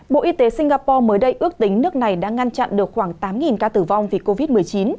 bộ y tế singapore mới đây ước tính nước này đã ngăn chặn được khoảng tám ca tử vong vì covid một mươi chín